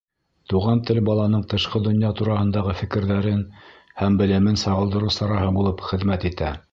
Туған тел баланың тышҡы донъя тураһындағы фекерҙәрен һәм белемен сағылдырыу сараһы булып хеҙмәт итә.